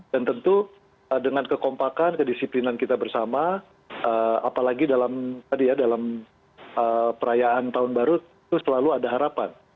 dan tentu dengan kekompakan kedisiplinan kita bersama eee apalagi dalam tadi ya dalam eee perayaan tahun baru itu selalu ada harapan